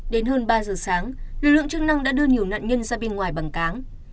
đến hơn ba giờ sáng lực lượng chức năng đã đưa nhiều nạn nhân ra bên ngoài bằng cáng